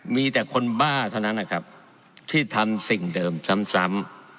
มีแต่คนบ้าเท่านั้นนะครับที่ทำสิ่งเดิมซ้ำ